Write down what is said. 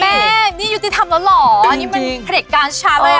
แม่นี่ยุติธรรมแล้วเหรอนี่มันประเด็นการสุชาติแล้ว